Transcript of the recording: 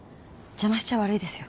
邪魔しちゃ悪いですよ。